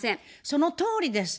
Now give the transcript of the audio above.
そのとおりです。